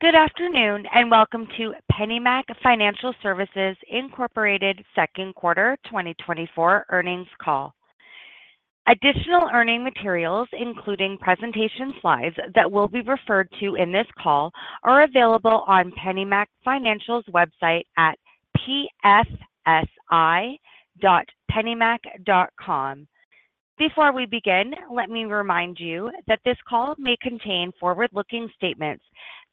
Good afternoon, and welcome to PennyMac Financial Services Incorporated Second Quarter 2024 Earnings Call. Additional earning materials, including presentation slides that will be referred to in this call, are available on PennyMac Financial's website at pfsi.pennymac.com. Before we begin, let me remind you that this call may contain forward-looking statements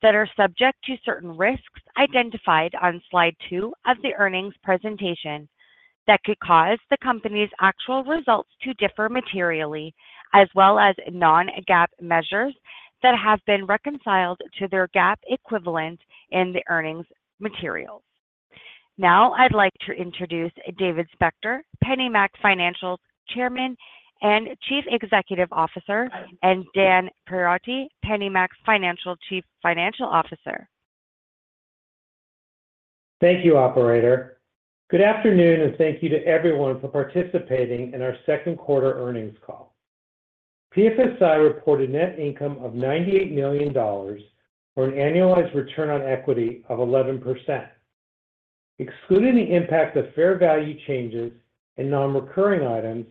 that are subject to certain risks identified on slide 2 of the earnings presentation, that could cause the company's actual results to differ materially as well as non-GAAP measures that have been reconciled to their GAAP equivalent in the earnings materials. Now, I'd like to introduce David Spector, PennyMac Financial's Chairman and Chief Executive Officer, and Dan Perotti, PennyMac Financial Chief Financial Officer. Thank you, operator. Good afternoon, and thank you to everyone for participating in our second quarter earnings call. PFSI reported net income of $98 million for an annualized return on equity of 11%. Excluding the impact of fair value changes and non-recurring items,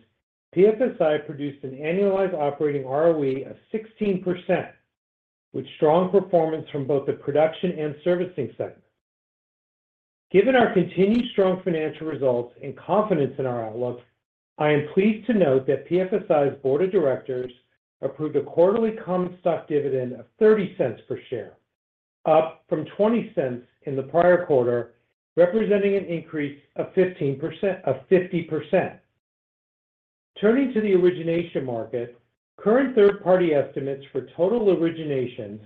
PFSI produced an annualized operating ROE of 16%, with strong performance from both the production and servicing centers. Given our continued strong financial results and confidence in our outlook, I am pleased to note that PFSI's board of directors approved a quarterly common stock dividend of $0.30 per share, up from $0.20 in the prior quarter, representing an increase of 15%—of 50%. Turning to the origination market, current third-party estimates for total originations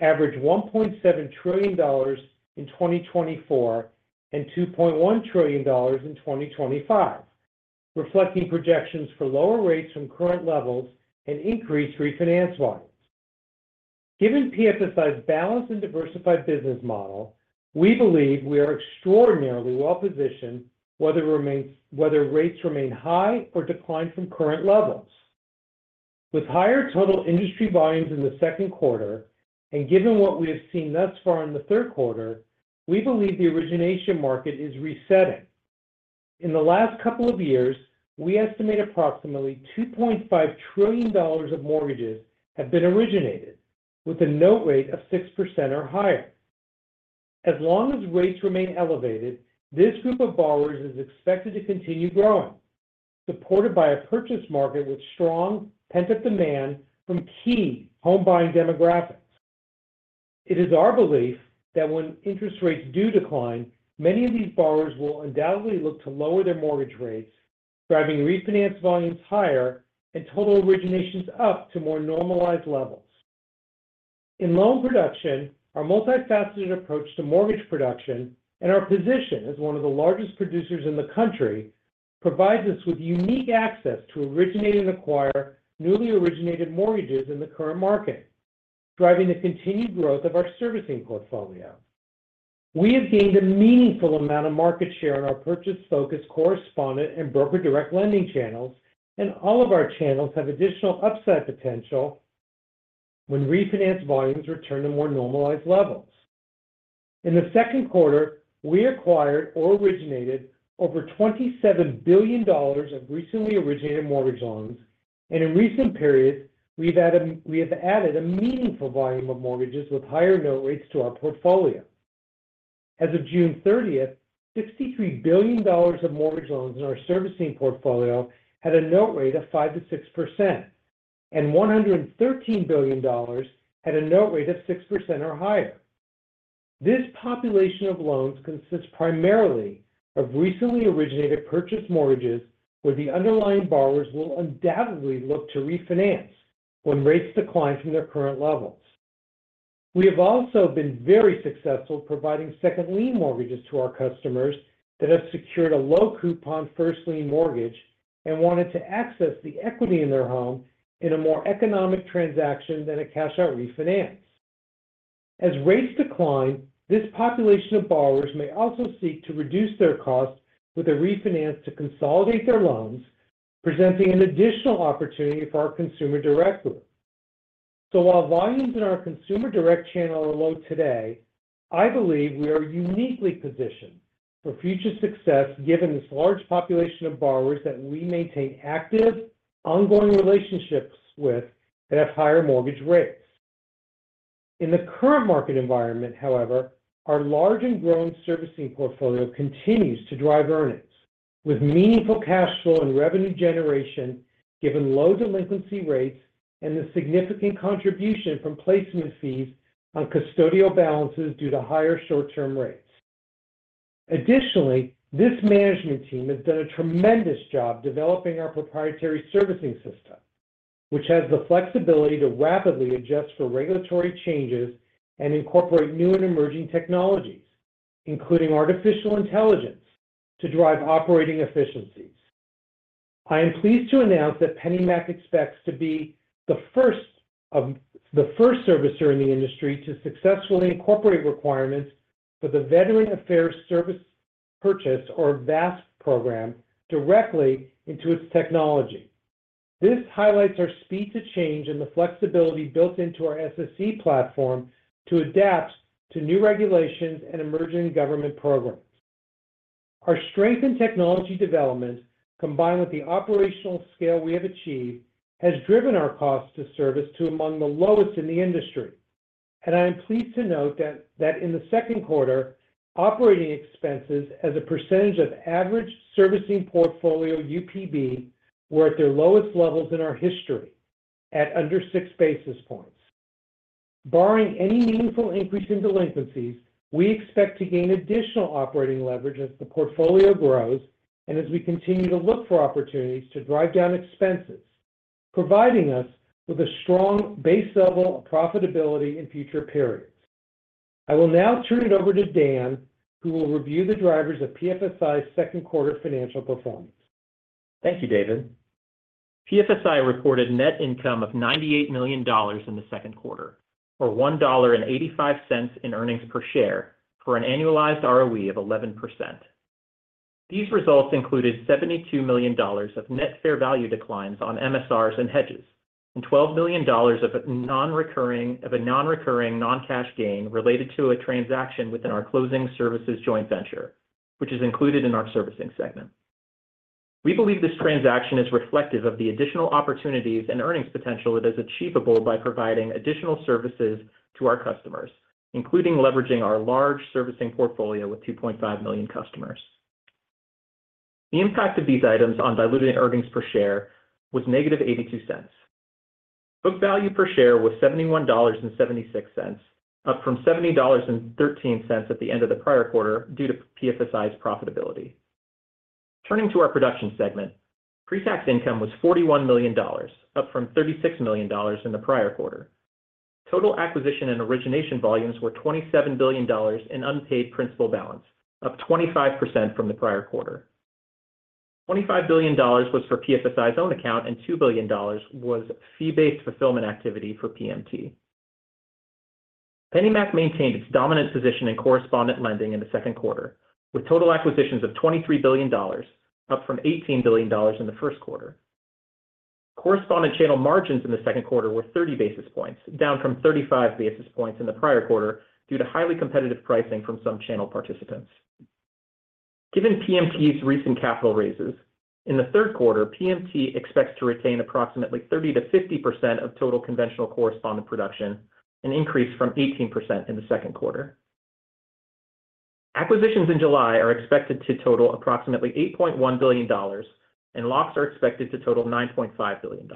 average $1.7 trillion in 2024 and $2.1 trillion in 2025, reflecting projections for lower rates from current levels and increased refinance lines. Given PFSI's balanced and diversified business model, we believe we are extraordinarily well-positioned, whether rates remain high or decline from current levels. With higher total industry volumes in the second quarter, and given what we have seen thus far in the third quarter, we believe the origination market is resetting. In the last couple of years, we estimate approximately $2.5 trillion of mortgages have been originated with a note rate of 6% or higher. As long as rates remain elevated, this group of borrowers is expected to continue growing, supported by a purchase market with strong pent-up demand from key home buying demographics. It is our belief that when interest rates do decline, many of these borrowers will undoubtedly look to lower their mortgage rates, driving refinance volumes higher and total originations up to more normalized levels. In loan production, our multifaceted approach to mortgage production and our position as one of the largest producers in the country, provides us with unique access to originate and acquire newly originated mortgages in the current market, driving the continued growth of our servicing portfolio. We have gained a meaningful amount of market share in our purchase-focused correspondent and broker direct lending channels, and all of our channels have additional upside potential when refinance volumes return to more normalized levels. In the second quarter, we acquired or originated over $27 billion of recently originated mortgage loans, and in recent periods, we've had, we have added a meaningful volume of mortgages with higher note rates to our portfolio. As of June 30th, $63 billion of mortgage loans in our servicing portfolio had a note rate of 5%-6%, and $113 billion had a note rate of 6% or higher. This population of loans consists primarily of recently originated purchase mortgages, where the underlying borrowers will undoubtedly look to refinance when rates decline from their current levels. We have also been very successful providing second lien mortgages to our customers that have secured a low-coupon first lien mortgage and wanted to access the equity in their home in a more economic transaction than a cash-out refinance. As rates decline, this population of borrowers may also seek to reduce their costs with a refinance to consolidate their loans, presenting an additional opportunity for our consumer direct. So while volumes in our consumer direct channel are low today, I believe we are uniquely positioned for future success, given this large population of borrowers that we maintain active, ongoing relationships with, that have higher mortgage rates. In the current market environment, however, our large and growing servicing portfolio continues to drive earnings, with meaningful cash flow and revenue generation, given low delinquency rates and the significant contribution from placement fees on custodial balances due to higher short-term rates. Additionally, this management team has done a tremendous job developing our proprietary servicing system, which has the flexibility to rapidly adjust for regulatory changes and incorporate new and emerging technologies, including artificial intelligence, to drive operating efficiencies. I am pleased to announce that PennyMac expects to be the first servicer in the industry to successfully incorporate requirements for the Veterans Affairs Servicing Purchase, or VASP program, directly into its technology. This highlights our speed to change and the flexibility built into our SSE platform to adapt to new regulations and emerging government programs. Our strength in technology development, combined with the operational scale we have achieved, has driven our cost to service to among the lowest in the industry. And I am pleased to note that in the second quarter, operating expenses as a percentage of average servicing portfolio UPB were at their lowest levels in our history at under six basis points. Barring any meaningful increase in delinquencies, we expect to gain additional operating leverage as the portfolio grows and as we continue to look for opportunities to drive down expenses, providing us with a strong base level of profitability in future periods. I will now turn it over to Dan, who will review the drivers of PFSI's second quarter financial performance. Thank you, David. PFSI reported net income of $98 million in the second quarter, or $1.85 in earnings per share, for an annualized ROE of 11%. These results included $72 million of net fair value declines on MSRs and hedges, and $12 million of a non-recurring, non-cash gain related to a transaction within our closing services joint venture, which is included in our servicing segment. We believe this transaction is reflective of the additional opportunities and earnings potential that is achievable by providing additional services to our customers, including leveraging our large servicing portfolio with 2.5 million customers. The impact of these items on diluted earnings per share was negative $0.82. Book value per share was $71.76, up from $70.13 at the end of the prior quarter due to PFSI's profitability. Turning to our production segment, pre-tax income was $41 million, up from $36 million in the prior quarter. Total acquisition and origination volumes were $27 billion in unpaid principal balance, up 25% from the prior quarter. $25 billion was for PFSI's own account, and $2 billion was fee-based fulfillment activity for PMT. PennyMac maintained its dominant position in correspondent lending in the second quarter, with total acquisitions of $23 billion, up from $18 billion in the first quarter. Correspondent channel margins in the second quarter were 30 basis points, down from 35 basis points in the prior quarter due to highly competitive pricing from some channel participants. Given PMT's recent capital raises, in the third quarter, PMT expects to retain approximately 30%-50% of total conventional correspondent production, an increase from 18% in the second quarter. Acquisitions in July are expected to total approximately $8.1 billion, and locks are expected to total $9.5 billion.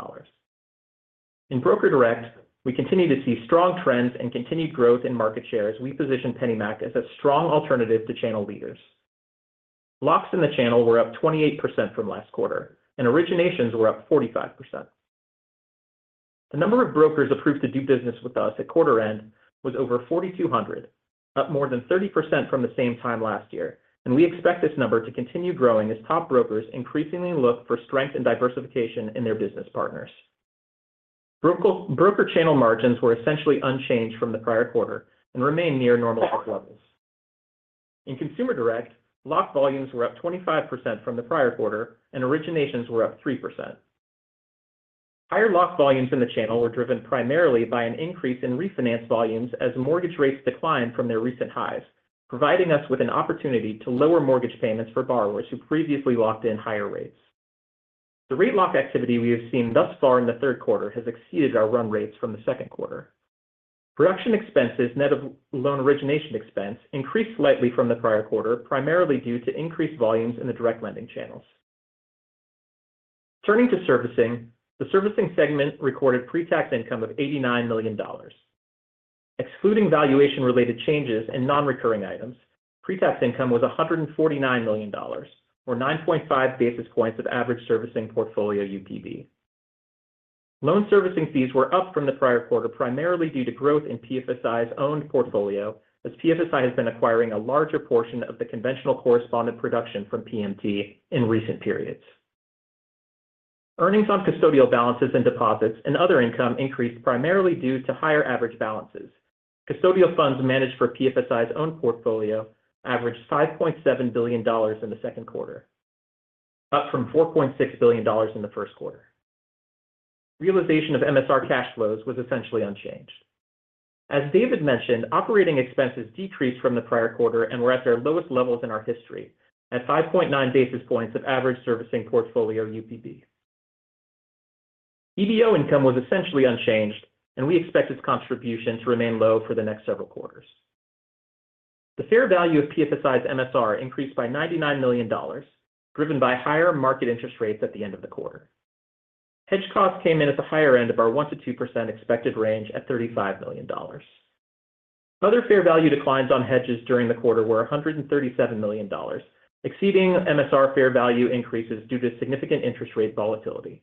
In Broker Direct, we continue to see strong trends and continued growth in market share as we position PennyMac as a strong alternative to channel leaders. Locks in the channel were up 28% from last quarter, and originations were up 45%. The number of brokers approved to do business with us at quarter end was over 4,200, up more than 30% from the same time last year, and we expect this number to continue growing as top brokers increasingly look for strength and diversification in their business partners. Broker channel margins were essentially unchanged from the prior quarter and remain near normal levels. In Consumer Direct, lock volumes were up 25% from the prior quarter, and originations were up 3%. Higher lock volumes in the channel were driven primarily by an increase in refinance volumes as mortgage rates declined from their recent highs, providing us with an opportunity to lower mortgage payments for borrowers who previously locked in higher rates. The rate lock activity we have seen thus far in the third quarter has exceeded our run rates from the second quarter. Production expenses, net of loan origination expense, increased slightly from the prior quarter, primarily due to increased volumes in the direct lending channels. Turning to servicing, the servicing segment recorded pre-tax income of $89 million. Excluding valuation-related changes and non-recurring items, pre-tax income was $149 million, or 9.5 basis points of average servicing portfolio UPB. Loan servicing fees were up from the prior quarter, primarily due to growth in PFSI's own portfolio, as PFSI has been acquiring a larger portion of the conventional correspondent production from PMT in recent periods. Earnings on custodial balances and deposits and other income increased primarily due to higher average balances. Custodial funds managed for PFSI's own portfolio averaged $5.7 billion in the second quarter, up from $4.6 billion in the first quarter. Realization of MSR cash flows was essentially unchanged. As David mentioned, operating expenses decreased from the prior quarter and were at their lowest levels in our history at 5.9 basis points of average servicing portfolio UPB. EBO income was essentially unchanged, and we expect its contribution to remain low for the next several quarters. The fair value of PFSI's MSR increased by $99 million, driven by higher market interest rates at the end of the quarter. Hedge costs came in at the higher end of our 1%-2% expected range at $35 million. Other fair value declines on hedges during the quarter were $137 million, exceeding MSR fair value increases due to significant interest rate volatility.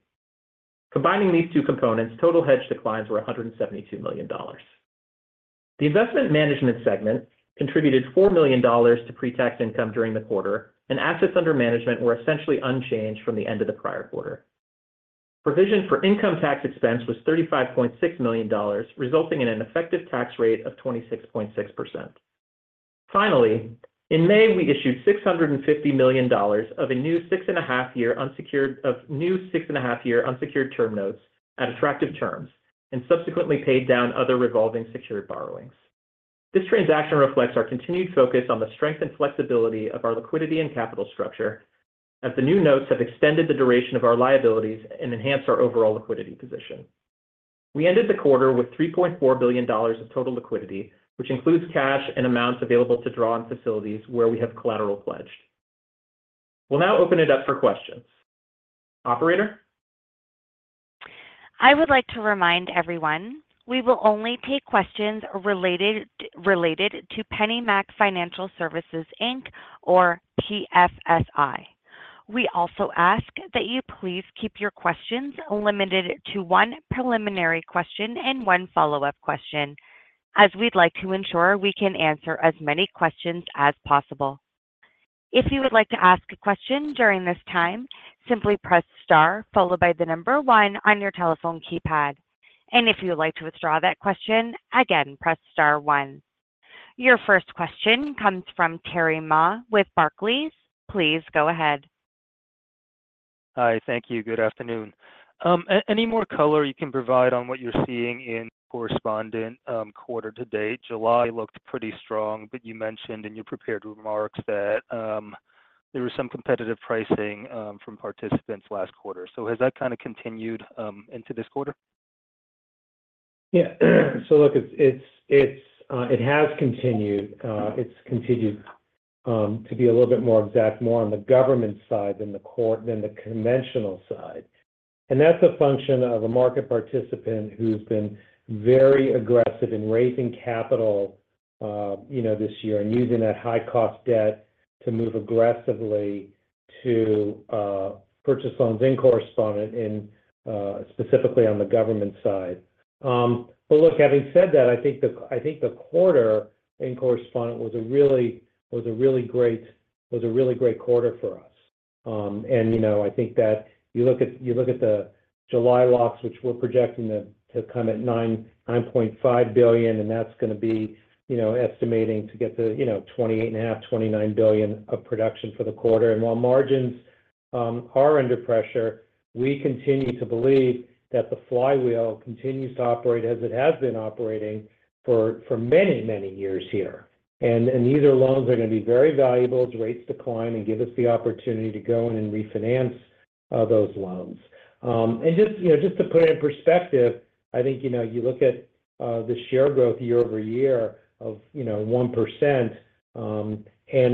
Combining these two components, total hedge declines were $172 million. The investment management segment contributed $4 million to pre-tax income during the quarter, and assets under management were essentially unchanged from the end of the prior quarter. Provision for income tax expense was $35.6 million, resulting in an effective tax rate of 26.6%.... Finally, in May, we issued $650 million of a new 6.5-year unsecured term notes at attractive terms, and subsequently paid down other revolving secured borrowings. This transaction reflects our continued focus on the strength and flexibility of our liquidity and capital structure, as the new notes have extended the duration of our liabilities and enhanced our overall liquidity position. We ended the quarter with $3.4 billion of total liquidity, which includes cash and amounts available to draw on facilities where we have collateral pledged. We'll now open it up for questions. Operator? I would like to remind everyone, we will only take questions related, related to PennyMac Financial Services Inc, or PFSI. We also ask that you please keep your questions limited to one preliminary question and one follow-up question, as we'd like to ensure we can answer as many questions as possible. If you would like to ask a question during this time, simply press star followed by the number one on your telephone keypad. And if you would like to withdraw that question, again, press star one. Your first question comes from Terry Ma with Barclays. Please go ahead. Hi. Thank you. Good afternoon. Any more color you can provide on what you're seeing in correspondent, quarter to date? July looked pretty strong, but you mentioned in your prepared remarks that there was some competitive pricing from participants last quarter. So has that kind of continued into this quarter? Yeah. So look, it has continued to be a little bit more exact, more on the government side than the conventional side. And that's a function of a market participant who's been very aggressive in raising capital, you know, this year, and using that high cost debt to move aggressively to purchase loans in correspondent in, specifically on the government side. But look, having said that, I think the quarter in correspondent was a really great quarter for us. And, you know, I think that you look at, you look at the July locks, which we're projecting to come at $9.5 billion, and that's going to be, you know, estimating to get the, you know, $28.5 billion-$29 billion of production for the quarter. And while margins are under pressure, we continue to believe that the flywheel continues to operate as it has been operating for many, many years here. And these are loans are going to be very valuable as rates decline and give us the opportunity to go in and refinance those loans. And just, you know, just to put it in perspective, I think, you know, you look at, the share growth year-over-year of, you know, 1%, and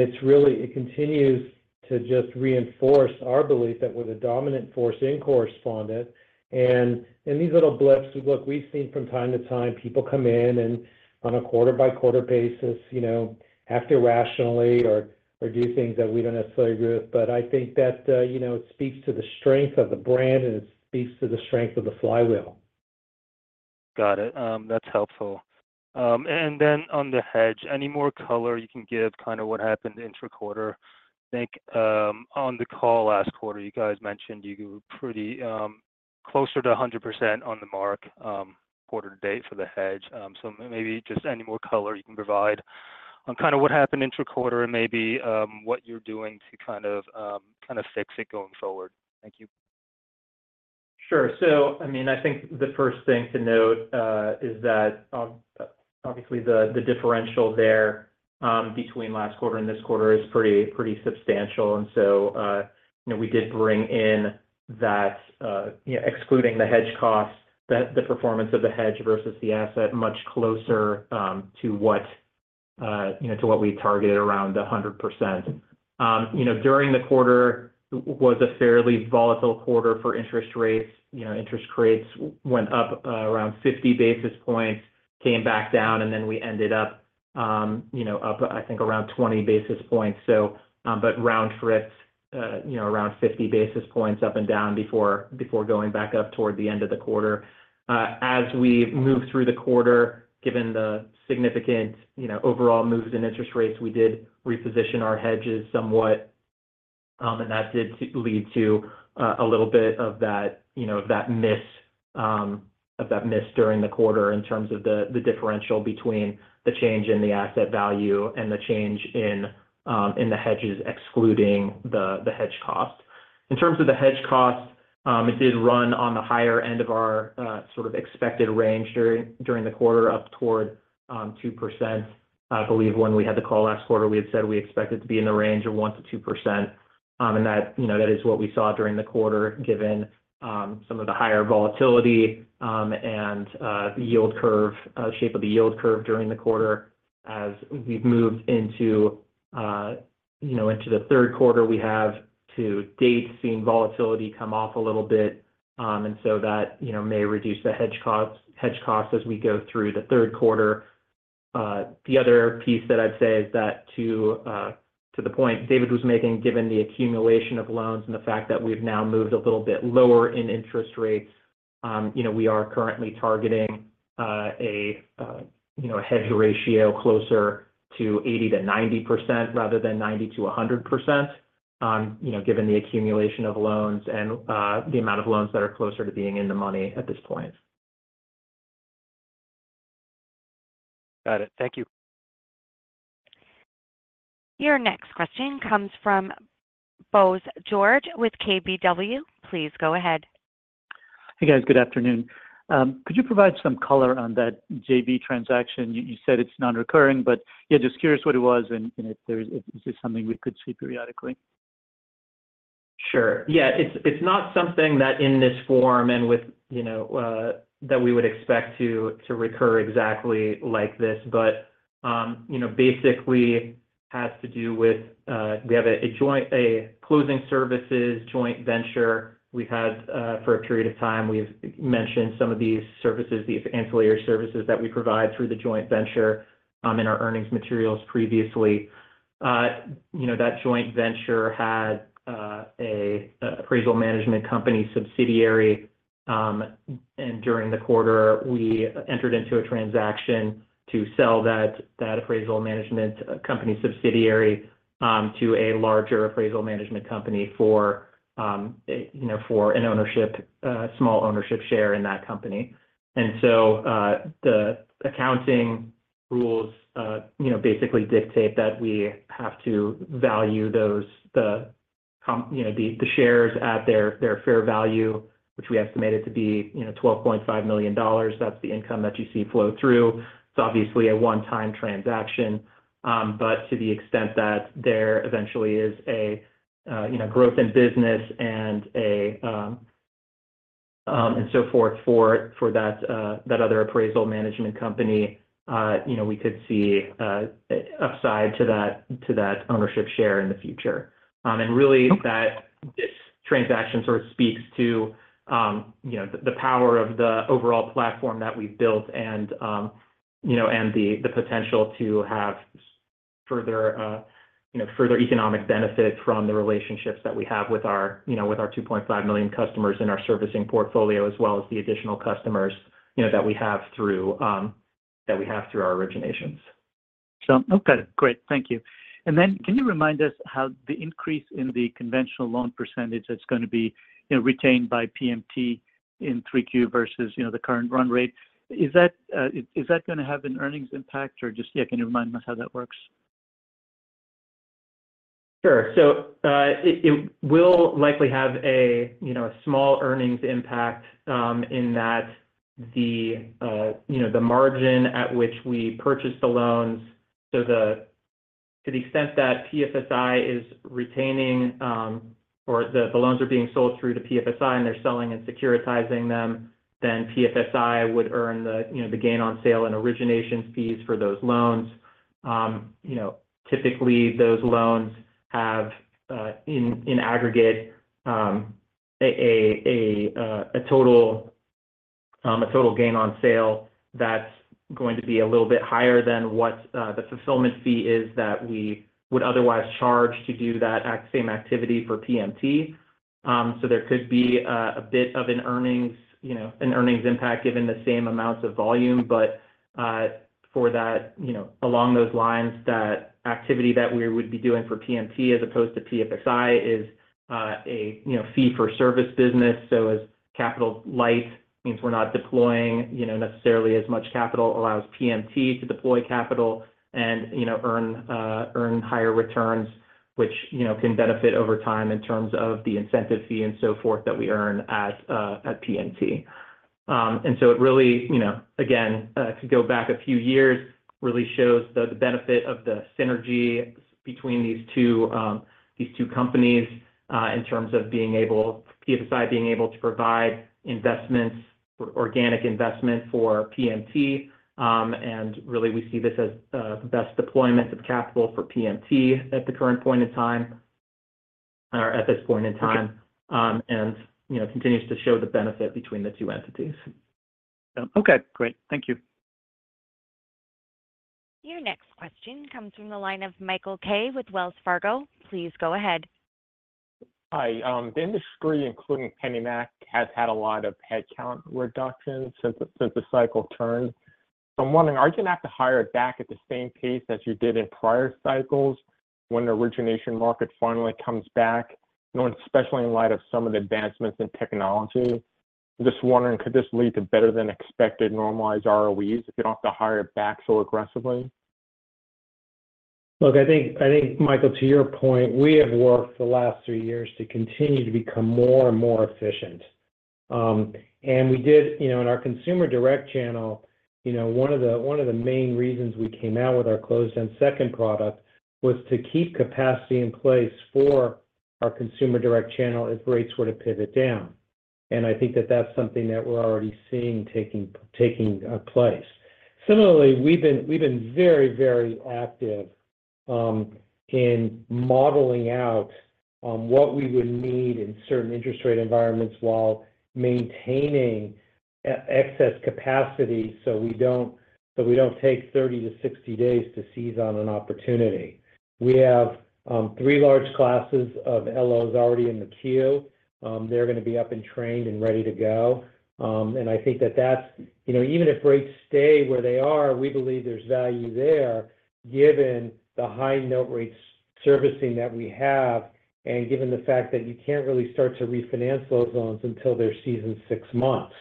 it's really, it continues to just reinforce our belief that we're the dominant force in correspondent. And, and these little blips, look, we've seen from time to time, people come in and on a quarter-by-quarter basis, you know, act irrationally or, or do things that we don't necessarily agree with, but I think that, you know, it speaks to the strength of the brand, and it speaks to the strength of the flywheel. Got it. That's helpful. And then on the hedge, any more color you can give, kind of what happened intra-quarter? I think, on the call last quarter, you guys mentioned you were pretty, closer to 100% on the mark, quarter to date for the hedge. So maybe just any more color you can provide on kind of what happened intra-quarter and maybe, what you're doing to kind of, kind of fix it going forward. Thank you. Sure. So, I mean, I think the first thing to note is that obviously the differential there between last quarter and this quarter is pretty substantial. And so, you know, we did bring in that excluding the hedge costs the performance of the hedge versus the asset much closer to what you know to what we targeted around 100%. You know, during the quarter was a fairly volatile quarter for interest rates. You know, interest rates went up around 50 basis points, came back down, and then we ended up you know up I think around 20 basis points. So, but round trip you know around 50 basis points up and down before going back up toward the end of the quarter. As we moved through the quarter, given the significant, you know, overall moves in interest rates, we did reposition our hedges somewhat, and that did lead to a little bit of that, you know, that miss of that miss during the quarter in terms of the differential between the change in the asset value and the change in the hedges, excluding the hedge cost. In terms of the hedge cost, it did run on the higher end of our sort of expected range during the quarter, up toward 2%. I believe when we had the call last quarter, we had said we expected to be in the range of 1%-2%. That, you know, that is what we saw during the quarter, given some of the higher volatility, and the yield curve shape of the yield curve during the quarter. As we've moved into, you know, into the third quarter, we have to date seen volatility come off a little bit, and so that, you know, may reduce the hedge costs, hedge costs as we go through the third quarter. The other piece that I'd say is that to the point David was making, given the accumulation of loans and the fact that we've now moved a little bit lower in interest rates, you know, we are currently targeting, you know, a hedge ratio closer to 80%-90% rather than 90%-100%, you know, given the accumulation of loans and the amount of loans that are closer to being in the money at this point.... Got it. Thank you. Your next question comes from Bose George with KBW. Please go ahead. Hey, guys. Good afternoon. Could you provide some color on that JV transaction? You, you said it's non-recurring, but yeah, just curious what it was, and if this is something we could see periodically. Sure. Yeah, it's not something that in this form and with, you know, that we would expect to recur exactly like this. But, you know, basically has to do with we have a closing services joint venture we've had for a period of time. We've mentioned some of these services, these ancillary services that we provide through the joint venture in our earnings materials previously. You know, that joint venture had an appraisal management company subsidiary. And during the quarter, we entered into a transaction to sell that appraisal management company subsidiary to a larger appraisal management company for, you know, for a small ownership share in that company. And so, the accounting rules, you know, basically dictate that we have to value those, you know, the shares at their fair value, which we estimated to be, you know, $12.5 million. That's the income that you see flow through. It's obviously a one-time transaction, but to the extent that there eventually is a, you know, growth in business and a, and so forth for that other appraisal management company, you know, we could see upside to that ownership share in the future. And really, that transaction sort of speaks to, you know, the power of the overall platform that we've built and, you know, and the potential to have further economic benefit from the relationships that we have with our, you know, with our 2.5 million customers in our servicing portfolio, as well as the additional customers, you know, that we have through our originations. So, okay, great. Thank you. And then can you remind us how the increase in the conventional loan percentage that's going to be, you know, retained by PMT in 3Q versus, you know, the current run rate? Is that going to have an earnings impact, or just, yeah, can you remind us how that works? Sure. So it will likely have a you know a small earnings impact in that the you know the margin at which we purchase the loans. So to the extent that PFSI is retaining or the loans are being sold through to PFSI and they're selling and securitizing them then PFSI would earn the you know the gain on sale and origination fees for those loans. You know typically those loans have in aggregate a total gain on sale that's going to be a little bit higher than what the fulfillment fee is that we would otherwise charge to do that act same activity for PMT. So there could be a bit of an earnings you know an earnings impact given the same amounts of volume. But, for that, you know, along those lines, that activity that we would be doing for PMT as opposed to PFSI is, a, you know, fee-for-service business. So as capital light, means we're not deploying, you know, necessarily as much capital, allows PMT to deploy capital and, you know, earn higher returns, which, you know, can benefit over time in terms of the incentive fee and so forth, that we earn at, at PMT. And so it really, you know, again, to go back a few years, really shows the benefit of the synergy between these two, these two companies, in terms of being able- PFSI being able to provide investments, organic investment for PMT. And really, we see this as the best deployment of capital for PMT at the current point in time, or at this point in time. Okay. You know, continues to show the benefit between the two entities. Okay, great. Thank you. Your next question comes from the line of Michael Kaye with Wells Fargo. Please go ahead. Hi. The industry, including PennyMac, has had a lot of headcount reductions since the, since the cycle turned. So I'm wondering, are you going to have to hire back at the same pace as you did in prior cycles when the origination market finally comes back? You know, especially in light of some of the advancements in technology. I'm just wondering, could this lead to better-than-expected normalized ROEs if you don't have to hire back so aggressively? Look, I think, Michael, to your point, we have worked for the last 3 years to continue to become more and more efficient. You know, in our consumer direct channel, you know, one of the main reasons we came out with our closed-end second product was to keep capacity in place for our consumer direct channel if rates were to pivot down. And I think that that's something that we're already seeing taking place. Similarly, we've been very active in modeling out what we would need in certain interest rate environments while maintaining excess capacity, so we don't take 30 to 60 days to seize on an opportunity. We have 3 large classes of LOs already in the queue. They're going to be up and trained and ready to go. And I think that that's, you know, even if rates stay where they are, we believe there's value there, given the high note rate servicing that we have and given the fact that you can't really start to refinance those loans until they're seasoned six months.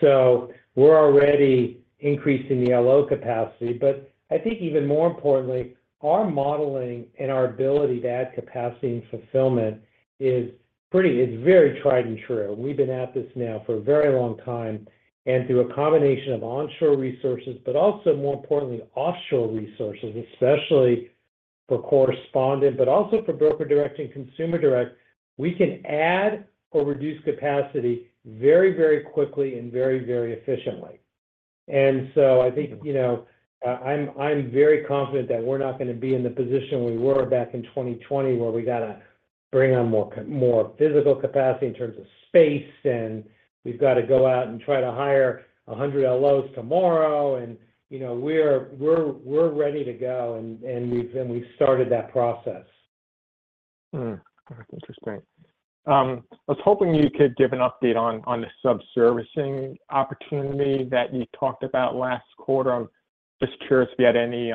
So we're already increasing the LO capacity. But I think even more importantly, our modeling and our ability to add capacity and fulfillment is very tried and true. We've been at this now for a very long time, and through a combination of onshore resources, but also, more importantly, offshore resources, especially for correspondent, but also for broker direct and consumer direct, we can add or reduce capacity very, very quickly and very, very efficiently. So I think, you know, I'm very confident that we're not going to be in the position we were back in 2020, where we got to bring on more physical capacity in terms of space, and we've got to go out and try to hire 100 LOs tomorrow. You know, we're ready to go, and we've started that process. Hmm, interesting. I was hoping you could give an update on the subservicing opportunity that you talked about last quarter. I'm just curious if you had any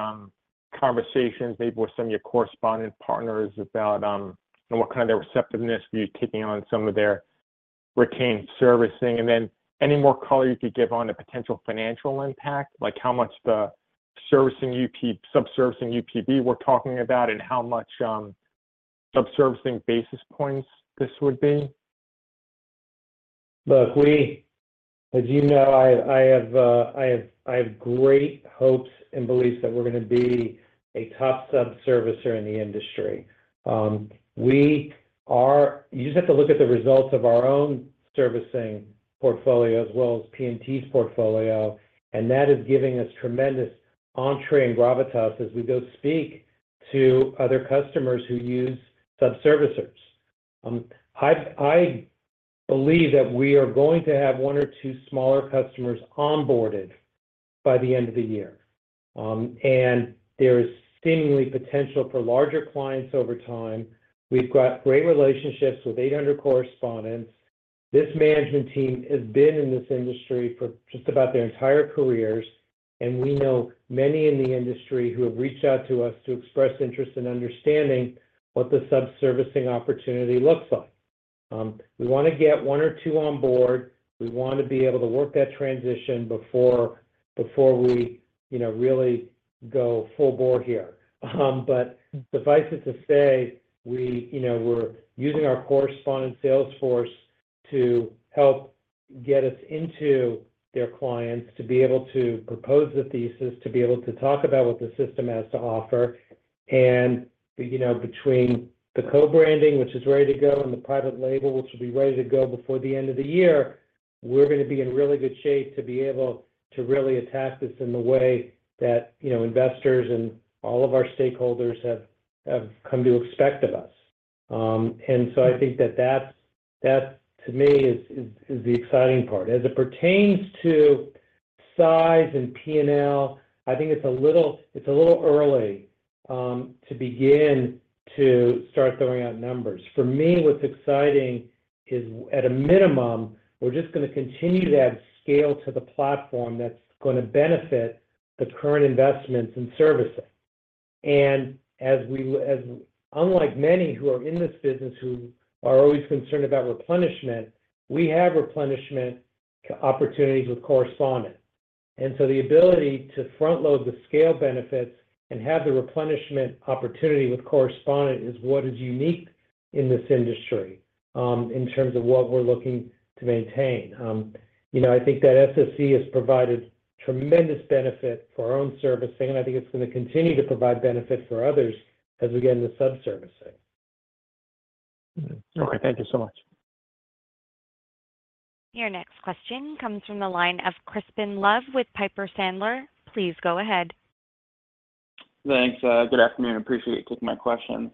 conversations, maybe with some of your correspondent partners about what kind of their receptiveness for you taking on some of their retained servicing, and then any more color you could give on the potential financial impact, like how much the subservicing UPB we're talking about, and how much subservicing basis points this would be? Look, we—as you know, I have great hopes and beliefs that we're going to be a top subservicer in the industry. We are—you just have to look at the results of our own servicing portfolio as well as PMT's portfolio, and that is giving us tremendous entree and gravitas as we go speak to other customers who use subservicers. I believe that we are going to have one or two smaller customers onboarded by the end of the year. And there is seemingly potential for larger clients over time. We've got great relationships with 800 correspondents. This management team has been in this industry for just about their entire careers, and we know many in the industry who have reached out to us to express interest in understanding what the subservicing opportunity looks like. We want to get one or two on board. We want to be able to work that transition before we, you know, really go full board here. But suffice it to say, we, you know, we're using our correspondent sales force to help get us into their clients, to be able to propose the thesis, to be able to talk about what the system has to offer. And, you know, between the co-branding, which is ready to go, and the private label, which will be ready to go before the end of the year, we're going to be in really good shape to be able to really attack this in the way that, you know, investors and all of our stakeholders have come to expect of us. And so I think that that's, that to me is the exciting part. As it pertains to size and P&L, I think it's a little, it's a little early to begin to start throwing out numbers. For me, what's exciting is, at a minimum, we're just going to continue to add scale to the platform that's going to benefit the current investments in servicing. And, unlike many who are in this business, who are always concerned about replenishment, we have replenishment opportunities with correspondent. And so the ability to front-load the scale benefits and have the replenishment opportunity with correspondent is what is unique in this industry in terms of what we're looking to maintain. You know, I think that SSC has provided tremendous benefit for our own servicing, and I think it's going to continue to provide benefit for others as we get into subservicing. Mm-hmm. Okay, thank you so much. Your next question comes from the line of Crispin Love with Piper Sandler. Please go ahead. Thanks. Good afternoon. I appreciate you taking my questions.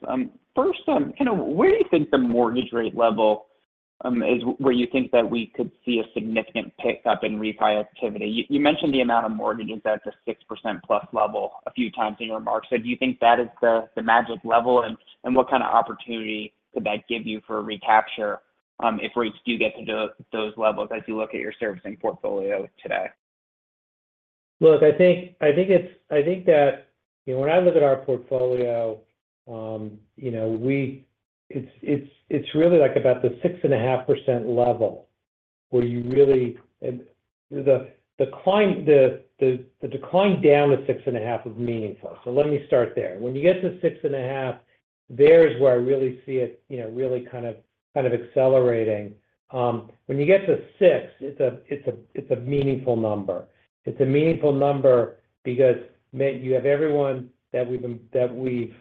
First, kind of where do you think the mortgage rate level is, where you think that we could see a significant pick up in refi activity? You mentioned the amount of mortgages at the 6%+ level a few times in your remarks. So do you think that is the magic level? And what kind of opportunity could that give you for recapture, if rates do get to those levels as you look at your servicing portfolio today? Look, I think that, you know, when I look at our portfolio, it's really like about the 6.5% level where you really and the client the decline down to 6.5 is meaningful. So let me start there. When you get to 6.5, there is where I really see it, you know, really kind of accelerating. When you get to 6, it's a meaningful number. It's a meaningful number because, man, you have everyone that we've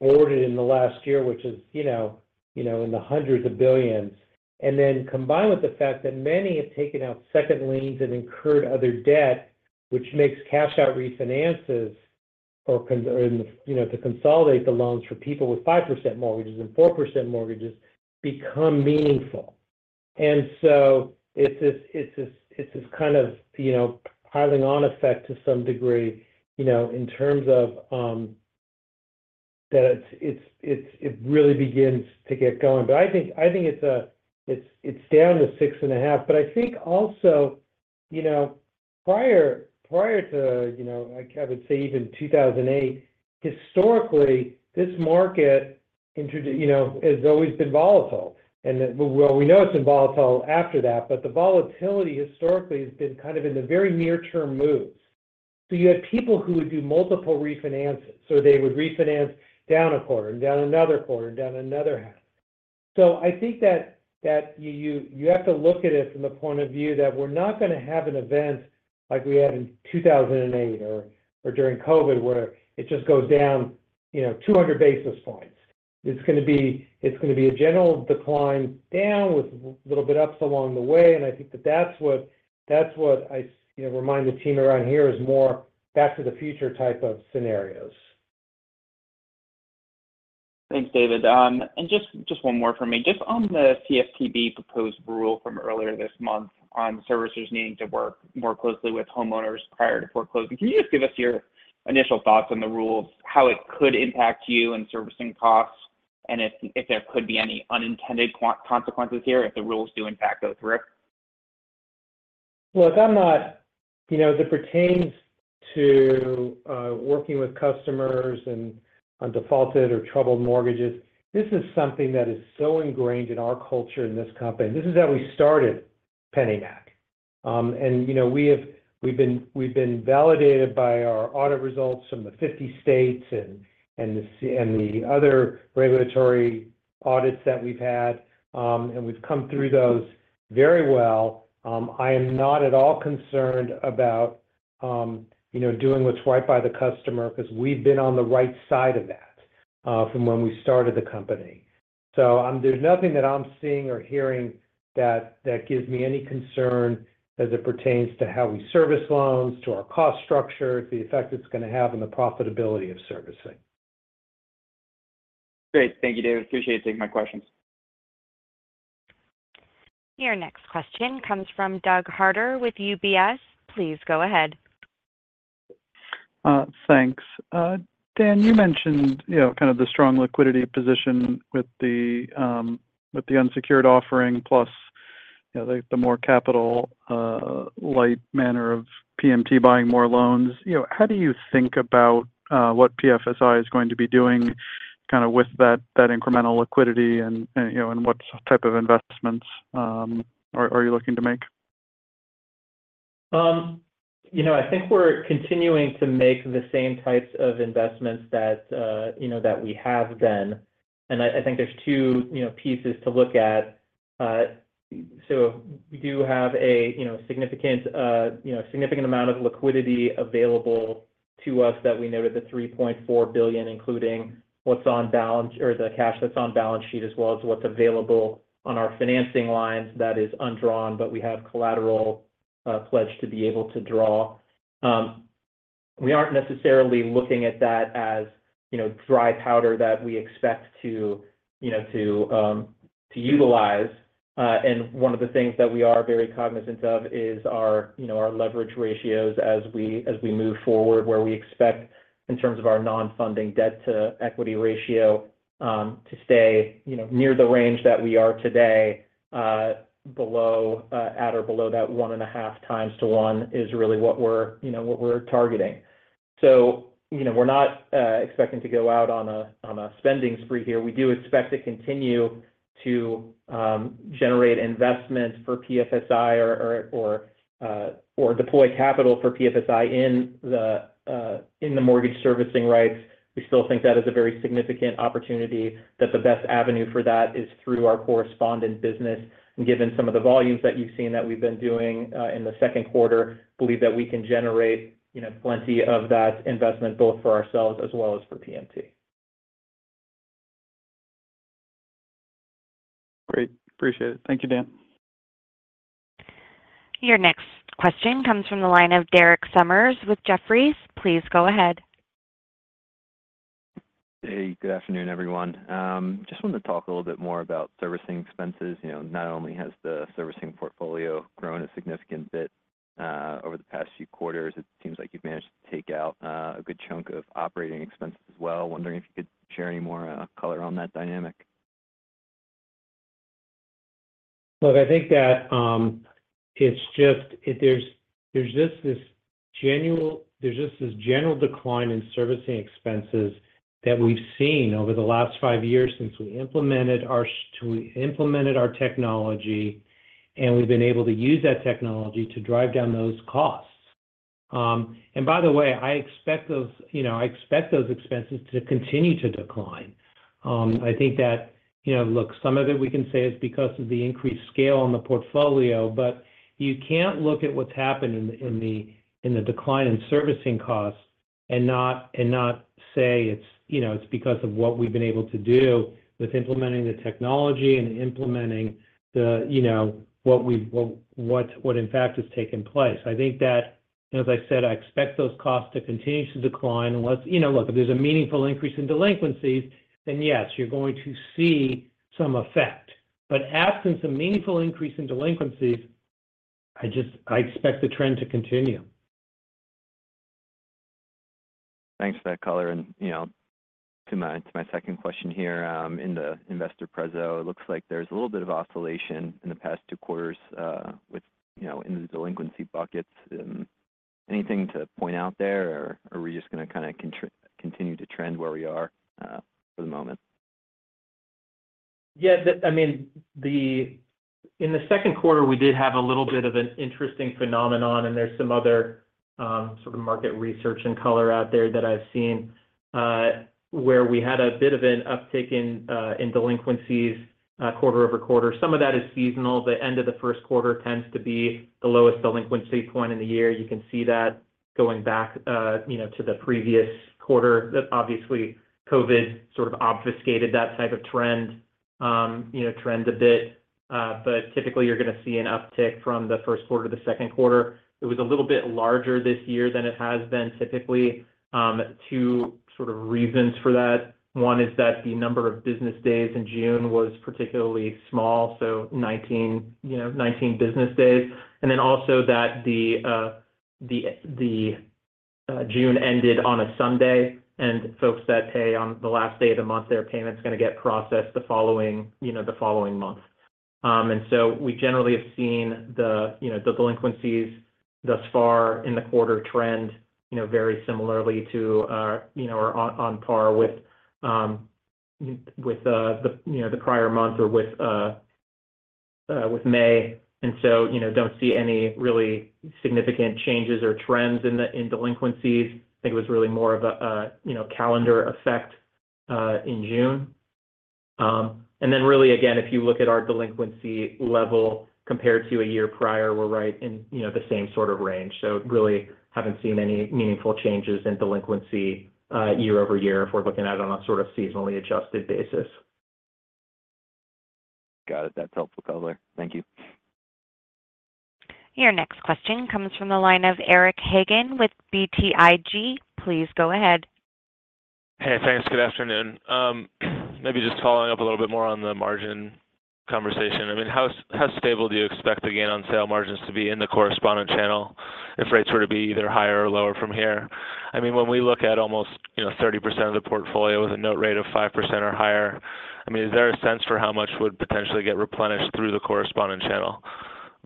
boarded in the last year, which is, you know, in the hundreds of billions. And then combined with the fact that many have taken out second liens and incurred other debt, which makes cash-out refinances or, and you know, to consolidate the loans for people with 5% mortgages and 4% mortgages become meaningful. And so it's this kind of, you know, piling on effect to some degree, you know, in terms of that it's it really begins to get going. But I think it's down to 6.5. But I think also, you know, prior to, you know, I would say even 2008, historically, this market, you know, has always been volatile. Well, we know it's been volatile after that, but the volatility historically has been kind of in the very near term moves. So you had people who would do multiple refinances, so they would refinance down a quarter, and down another quarter, and down another half. So I think that you have to look at it from the point of view that we're not gonna have an event like we had in 2008 or during COVID, where it just goes down, you know, 200 basis points. It's gonna be a general decline down with a little bit ups along the way, and I think that's what I, you know, remind the team around here is more back to the future type of scenarios. Thanks, David. And just, just one more for me. Just on the CFPB proposed rule from earlier this month on servicers needing to work more closely with homeowners prior to foreclosing. Can you just give us your initial thoughts on the rules, how it could impact you and servicing costs, and if, if there could be any unintended consequences here, if the rules do in fact go through? Look, I'm not you know, as it pertains to working with customers and on defaulted or troubled mortgages, this is something that is so ingrained in our culture, in this company. This is how we started PennyMac. You know, we have we've been validated by our audit results from the 50 states and the CFPB and the other regulatory audits that we've had. We've come through those very well. I am not at all concerned about you know, doing what's right by the customer, 'cause we've been on the right side of that from when we started the company. So, there's nothing that I'm seeing or hearing that gives me any concern as it pertains to how we service loans, to our cost structure, the effect it's gonna have on the profitability of servicing. Great. Thank you, David. Appreciate you taking my questions. Your next question comes from Doug Harter with UBS. Please go ahead. Thanks. Dan, you mentioned, you know, kind of the strong liquidity position with the unsecured offering, plus, you know, the more capital light manner of PMT buying more loans. You know, how do you think about what PFSI is going to be doing, kind of with that incremental liquidity and, you know, and what type of investments are you looking to make? You know, I think we're continuing to make the same types of investments that, you know, that we have been. And I think there's two, you know, pieces to look at. So we do have a, you know, significant, you know, significant amount of liquidity available to us that we noted the $3.4 billion, including what's on balance sheet or the cash that's on balance sheet, as well as what's available on our financing lines. That is undrawn, but we have collateral pledged to be able to draw. We aren't necessarily looking at that as, you know, dry powder that we expect to, you know, to utilize. One of the things that we are very cognizant of is our, you know, our leverage ratios as we move forward, where we expect in terms of our non-funding debt-to-equity ratio to stay, you know, near the range that we are today, below, at or below that 1.5-to-1 is really what we're, you know, targeting. So, you know, we're not expecting to go out on a spending spree here. We do expect to continue to generate investment for PFSI or deploy capital for PFSI in the mortgage servicing rights. We still think that is a very significant opportunity, that the best avenue for that is through our correspondent business. And given some of the volumes that you've seen that we've been doing in the second quarter, believe that we can generate, you know, plenty of that investment, both for ourselves as well as for PMT. Great. Appreciate it. Thank you, Dan. Your next question comes from the line of Derek Sommers with Jefferies. Please go ahead. Hey, good afternoon, everyone. Just wanted to talk a little bit more about servicing expenses. You know, not only has the servicing portfolio grown a significant bit over the past few quarters, it seems like you've managed to take out a good chunk of operating expenses as well. Wondering if you could share any more color on that dynamic. Look, I think that it's just... There's just this general decline in servicing expenses that we've seen over the last five years since we implemented our technology, and we've been able to use that technology to drive down those costs. And by the way, I expect those expenses to continue to decline. I think that, you know, look, some of it we can say is because of the increased scale on the portfolio, but you can't look at what's happened in the decline in servicing costs and not say it's, you know, it's because of what we've been able to do with implementing the technology and implementing what in fact has taken place. I think that, as I said, I expect those costs to continue to decline unless, you know, look, if there's a meaningful increase in delinquencies, then yes, you're going to see some effect. But absent a meaningful increase in delinquencies, I just, I expect the trend to continue. Thanks for that color. And, you know, to my, to my second question here, in the investor preso, it looks like there's a little bit of oscillation in the past two quarters, with, you know, in the delinquency buckets. Anything to point out there, or are we just gonna kind of continue to trend where we are, for the moment? Yeah, I mean, in the second quarter, we did have a little bit of an interesting phenomenon, and there's some other sort of market research and color out there that I've seen, where we had a bit of an uptick in in delinquencies quarter-over-quarter. Some of that is seasonal. The end of the first quarter tends to be the lowest delinquency point in the year. You can see that going back, you know, to the previous quarter, that obviously COVID sort of obfuscated that type of trend, you know, trend a bit. But typically, you're going to see an uptick from the first quarter to the second quarter. It was a little bit larger this year than it has been typically. Two sort of reasons for that. One is that the number of business days in June was particularly small, so 19, you know, 19 business days. And then also that the June ended on a Sunday, and folks that pay on the last day of the month, their payment is going to get processed the following, you know, the following month. And so we generally have seen the, you know, the delinquencies thus far in the quarter trend, you know, very similarly to, you know, or on, on par with, with, the, you know, the prior month or with, with May. And so, you know, don't see any really significant changes or trends in the, in delinquencies. I think it was really more of a, a, you know, calendar effect, in June. And then really, again, if you look at our delinquency level compared to a year prior, we're right in, you know, the same sort of range. So really haven't seen any meaningful changes in delinquency, year-over-year, if we're looking at it on a sort of seasonally adjusted basis. Got it. That's helpful color. Thank you. Your next question comes from the line of Eric Hagen with BTIG. Please go ahead. Hey, thanks. Good afternoon. Maybe just following up a little bit more on the margin conversation. I mean, how stable do you expect to gain on sale margins to be in the correspondent channel if rates were to be either higher or lower from here? I mean, when we look at almost, you know, 30% of the portfolio with a note rate of 5% or higher, I mean, is there a sense for how much would potentially get replenished through the correspondent channel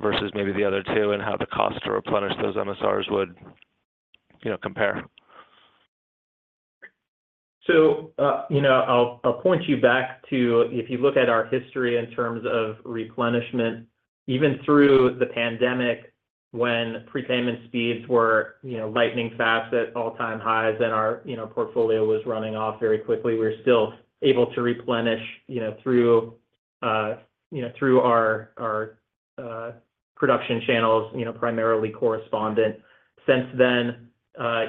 versus maybe the other two, and how the cost to replenish those MSRs would, you know, compare? So, you know, I'll point you back to if you look at our history in terms of replenishment, even through the pandemic, when prepayment speeds were, you know, lightning fast at all-time highs, and our, you know, portfolio was running off very quickly, we were still able to replenish, you know, through, you know, through our production channels, you know, primarily correspondent. Since then,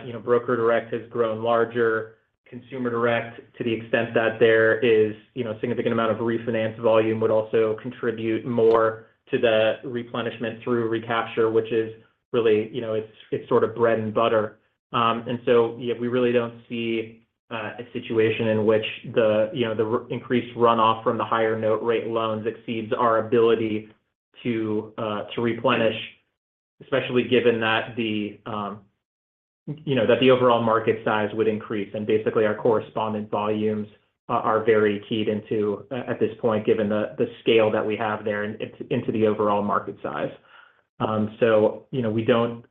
you know, broker direct has grown larger. Consumer direct, to the extent that there is, you know, a significant amount of refinance volume, would also contribute more to the replenishment through recapture, which is really, you know, it's sort of bread and butter. And so we really don't see a situation in which the, you know, the increased runoff from the higher note rate loans exceeds our ability to replenish, especially given that the, you know, that the overall market size would increase. And basically, our correspondent volumes are very keyed into, at this point, given the scale that we have there into the overall market size. So, you know, we don't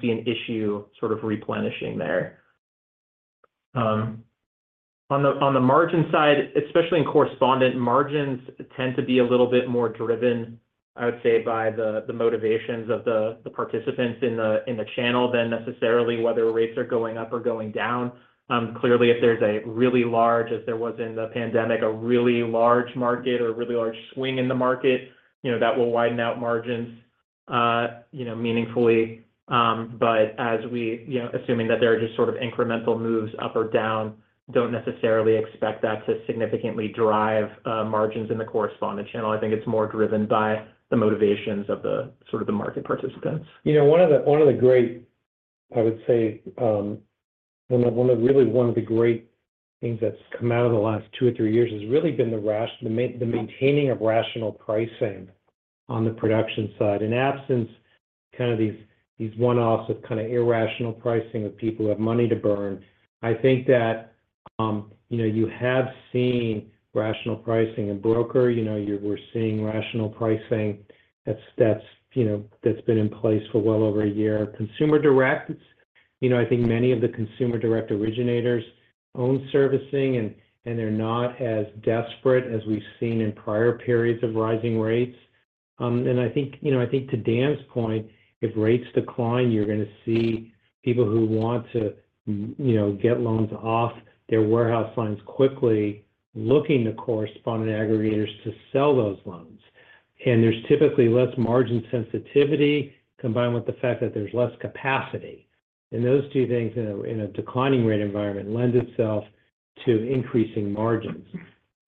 see an issue sort of replenishing there. On the margin side, especially in correspondent, margins tend to be a little bit more driven, I would say, by the motivations of the participants in the channel than necessarily whether rates are going up or going down. Clearly, if there's a really large, as there was in the pandemic, a really large market or a really large swing in the market, you know, that will widen out margins, you know, meaningfully. But as we, you know, assuming that there are just sort of incremental moves up or down, don't necessarily expect that to significantly drive margins in the correspondent channel. I think it's more driven by the motivations of the sort of the market participants. You know, one of the great things that's come out of the last 2 or 3 years has really been the maintaining of rational pricing on the production side. In absence of these one-offs of irrational pricing of people who have money to burn, I think that, you know, you have seen rational pricing in broker. You know, we're seeing rational pricing that's, you know, that's been in place for well over a year. Consumer direct, you know, I think many of the consumer direct originators own servicing, and they're not as desperate as we've seen in prior periods of rising rates. And I think, you know, I think to Dan's point, if rates decline, you're going to see people who want to, you know, get loans off their warehouse lines quickly looking to correspondent aggregators to sell those loans. And there's typically less margin sensitivity, combined with the fact that there's less capacity. And those two things in a, in a declining rate environment lend itself to increasing margins.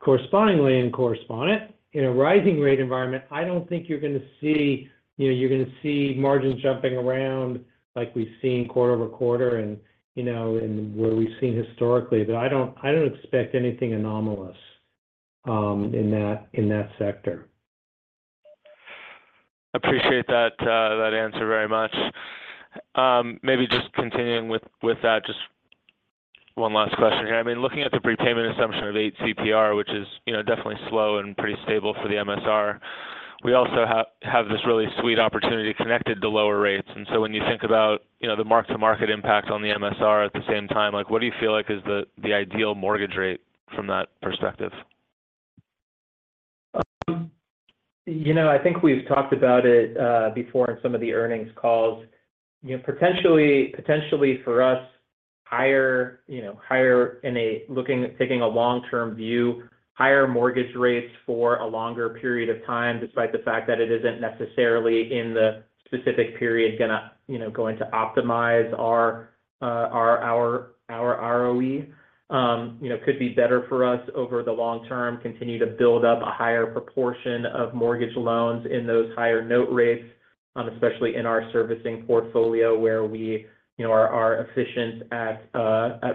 Correspondingly, in correspondent, in a rising rate environment, I don't think you're going to see, you know, you're going to see margins jumping around like we've seen quarter-over-quarter and, you know, and what we've seen historically. But I don't, I don't expect anything anomalous, in that, in that sector.... Appreciate that, that answer very much. Maybe just continuing with, with that, just one last question here. I mean, looking at the prepayment assumption of eight CPR, which is, you know, definitely slow and pretty stable for the MSR, we also have, have this really sweet opportunity connected to lower rates. And so when you think about, you know, the mark-to-market impact on the MSR at the same time, like, what do you feel like is the, the ideal mortgage rate from that perspective? You know, I think we've talked about it before in some of the earnings calls. You know, potentially, potentially for us, higher, you know, higher, taking a long-term view, higher mortgage rates for a longer period of time, despite the fact that it isn't necessarily in the specific period gonna, you know, going to optimize our ROE. You know, could be better for us over the long term, continue to build up a higher proportion of mortgage loans in those higher note rates, especially in our servicing portfolio, where we, you know, are efficient at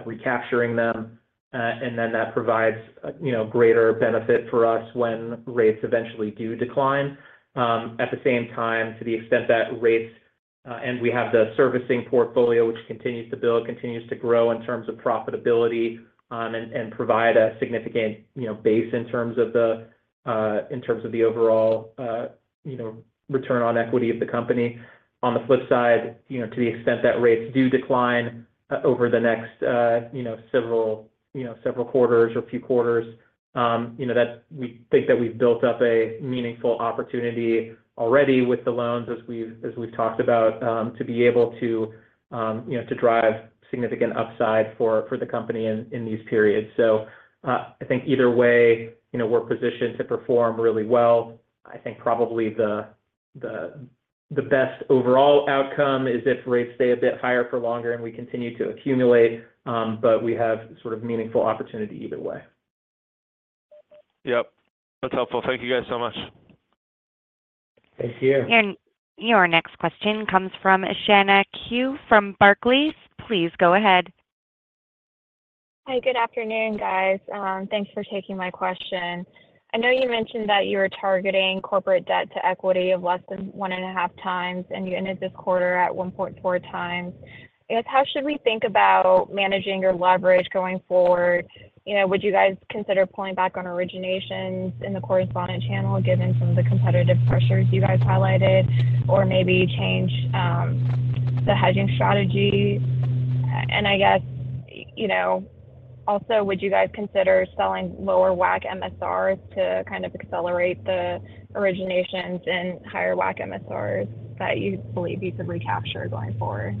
recapturing them. And then that provides, you know, greater benefit for us when rates eventually do decline. At the same time, to the extent that rates, and we have the servicing portfolio, which continues to build, continues to grow in terms of profitability, and provide a significant, you know, base in terms of the overall, you know, return on equity of the company. On the flip side, you know, to the extent that rates do decline over the next, you know, several quarters or few quarters, you know, that we think that we've built up a meaningful opportunity already with the loans, as we've talked about, to be able to, you know, to drive significant upside for the company in these periods. So, I think either way, you know, we're positioned to perform really well. I think probably the best overall outcome is if rates stay a bit higher for longer and we continue to accumulate, but we have sort of meaningful opportunity either way. Yep, that's helpful. Thank you guys so much. Thank you. Your next question comes from Shanna Qiu from Barclays. Please go ahead. Hi, good afternoon, guys. Thanks for taking my question. I know you mentioned that you were targeting corporate debt to equity of less than 1.5x, and you ended this quarter at 1.4x. I guess, how should we think about managing your leverage going forward? You know, would you guys consider pulling back on originations in the correspondent channel, given some of the competitive pressures you guys highlighted, or maybe change the hedging strategy? And I guess, you know, also, would you guys consider selling lower WAC MSRs to kind of accelerate the originations and higher WAC MSRs that you believe you could recapture going forward?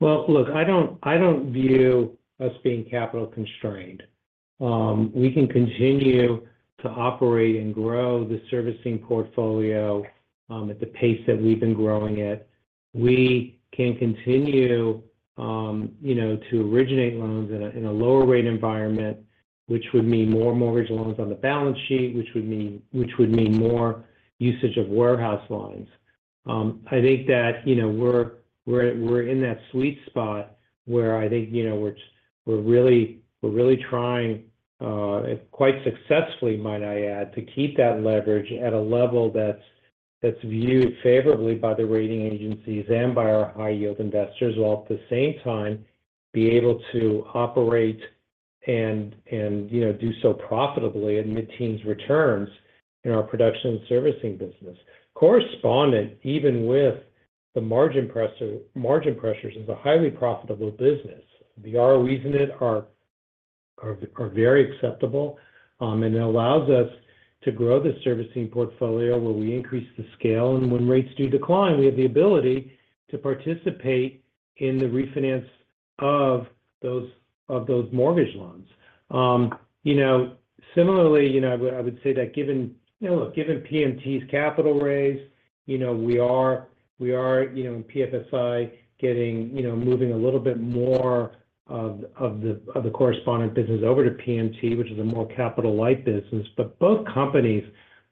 Well, look, I don't view us being capital constrained. We can continue to operate and grow the servicing portfolio at the pace that we've been growing it. We can continue, you know, to originate loans in a lower rate environment, which would mean more mortgage loans on the balance sheet, which would mean more usage of warehouse lines. I think that, you know, we're in that sweet spot where I think, you know, we're really trying, quite successfully, might I add, to keep that leverage at a level that's viewed favorably by the rating agencies and by our high yield investors, while at the same time, be able to operate and, you know, do so profitably at mid-teens returns in our production and servicing business. Correspondent, even with the margin pressures, is a highly profitable business. The ROEs in it are very acceptable, and it allows us to grow the servicing portfolio where we increase the scale. And when rates do decline, we have the ability to participate in the refinance of those mortgage loans. You know, similarly, you know, I would say that given PMT's capital raise, you know, we are in PFSI getting moving a little bit more of the correspondent business over to PMT, which is a more capital-light business. But both companies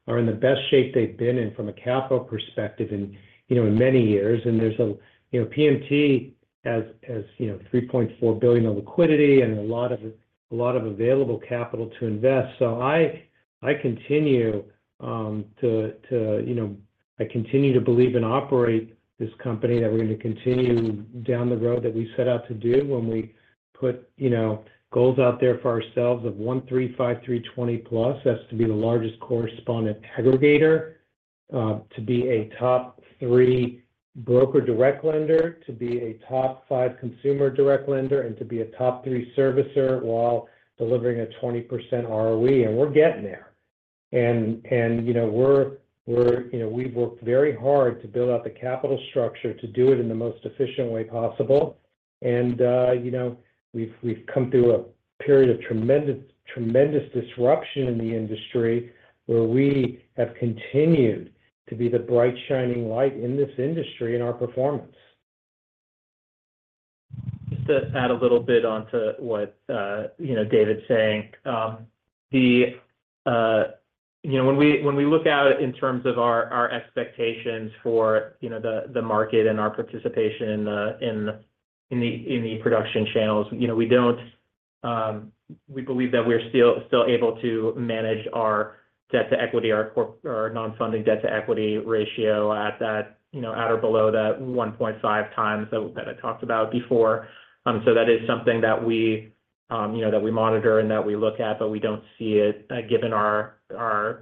are in the best shape they've been in from a capital perspective in many years. There's, you know, PMT has $3.4 billion of liquidity and a lot of available capital to invest. So I continue to, you know, I continue to believe and operate this company, that we're going to continue down the road that we set out to do when we put, you know, goals out there for ourselves of 1 3 5 3 20 plus. That's to be the largest correspondent aggregator, to be a top three broker direct lender, to be a top five consumer direct lender, and to be a top three servicer while delivering a 20% ROE. We're getting there. You know, we've worked very hard to build out the capital structure to do it in the most efficient way possible. You know, we've come through a period of tremendous, tremendous disruption in the industry, where we have continued to be the bright, shining light in this industry in our performance. Just to add a little bit onto what, you know, David's saying. You know, when we look out in terms of our expectations for the market and our participation in the production channels, you know, we don't believe that we're still able to manage our debt-to-equity, our non-funding debt-to-equity ratio at that, you know, at or below that 1.5x that I talked about before. So that is something that we, you know, that we monitor and that we look at, but we don't see it, given our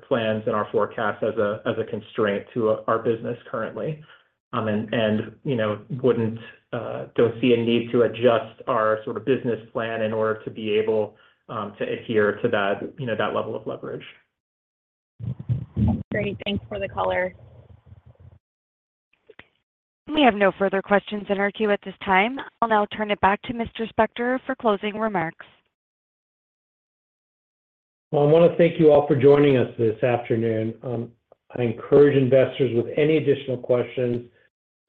plans and our forecasts as a constraint to our business currently. You know, don't see a need to adjust our sort of business plan in order to be able to adhere to that, you know, that level of leverage. Great. Thanks for the color. We have no further questions in our queue at this time. I'll now turn it back to Mr. Spector for closing remarks. Well, I want to thank you all for joining us this afternoon. I encourage investors with any additional questions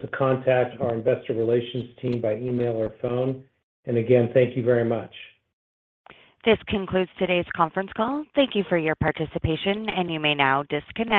to contact our investor relations team by email or phone. Again, thank you very much. This concludes today's conference call. Thank you for your participation, and you may now disconnect.